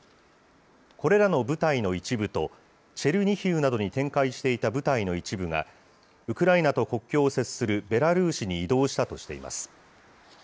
これらの部隊の一部と、チェルニヒウなどに展開していた部隊の一部が、ウクライナと国境を接するベラルーシに移動したとしています。